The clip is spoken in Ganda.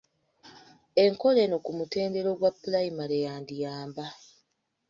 Enkola eno ku mutendera ogwa pulayimale yandiyamba.